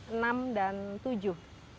enam dan tujuh